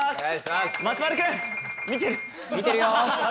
松丸君、見てる？